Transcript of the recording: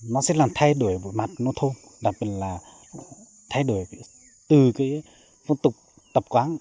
nó sẽ làm thay đổi mặt nông thôn đặc biệt là thay đổi từ phương tục tập quán